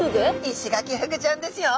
イシガキフグちゃんですよ。